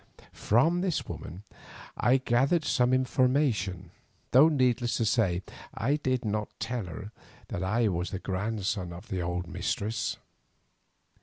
From this woman I gathered some information, though, needless to say, I did not tell her that I was the grandson of her old mistress.